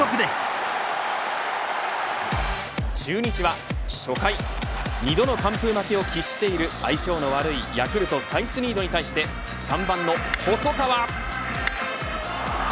中日は初回２度の完封負けを喫している相性の悪いヤクルトサイスニードに対して３番の細川。